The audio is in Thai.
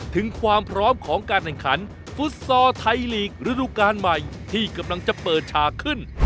ถึงความพร้อมของการแข่งขันฟุตซอลไทยลีกระดูกาลใหม่ที่กำลังจะเปิดฉากขึ้น